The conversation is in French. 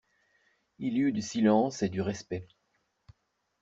Il y eut du silence et du respect.